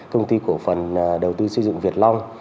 công ty cổ phần đầu tư xây dựng việt long